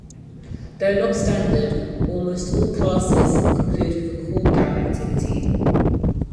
Though not standard, almost all classes conclude with a cool-down activity.